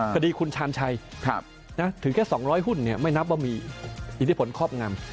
คดีคุณชาญชัยถึงแค่๒๐๐หุ้นไม่นับว่ามีอิทธิพลครอบงำ